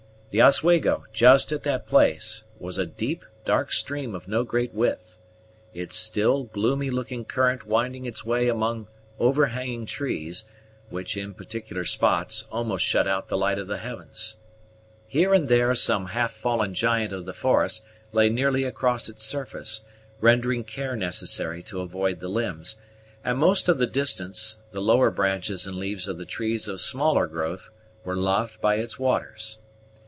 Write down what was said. The Oswego, just at that place, was a deep dark stream of no great width, its still, gloomy looking current winding its way among overhanging trees, which, in particular spots, almost shut out the light of the heavens. Here and there some half fallen giant of the forest lay nearly across its surface, rendering care necessary to avoid the limbs; and most of the distance, the lower branches and leaves of the trees of smaller growth were laved by its waters.